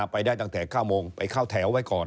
ไปได้ตั้งแต่๙โมงไปเข้าแถวไว้ก่อน